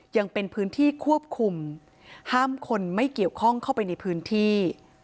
ยังเป็นพื้นที่ควบคุมห้ามคนไม่เกี่ยวข้องเข้าไปในพื้นที่